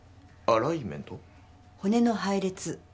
骨の配列。